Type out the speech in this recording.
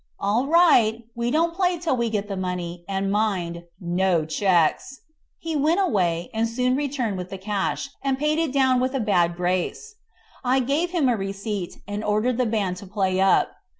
"All right; we don't play till we get the money, and mind, no cheques." He went away, and soon returned with the cash, and paid it down with a bad grace. I gave him a receipt, and ordered the band to play up.